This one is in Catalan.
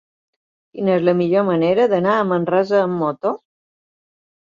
Quina és la millor manera d'anar a Manresa amb moto?